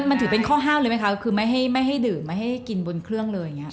มันถือเป็นข้อห้ามเลยไหมคะคือไม่ให้ดื่มไม่ให้กินบนเครื่องเลยอย่างนี้